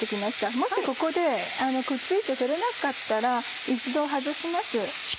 もしここでくっついて取れなかったら一度外します。